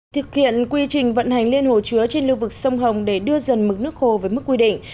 thực hiện quy trình vận hành liên hồ chứa trên lưu vực sông hồng để đưa dần mực nước khô với mức quy định